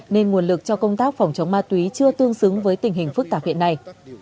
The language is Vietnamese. nên nguồn lực cho công tác phòng chống ma túy chưa tương xứng với tình hình phức tạp hiện nay